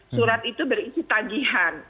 surat itu berisi tagihan